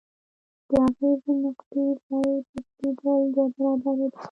د اغیزې نقطې ځای بدلیدل دوه برابره دی.